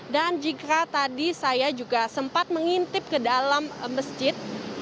dan jika tadi saya juga sempat mengintip ke dalam masjid